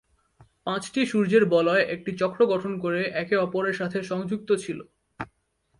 পাঁচটি সূর্যের বলয় একটি চক্র গঠন করে একে অপরের সাথে সংযুক্ত ছিল।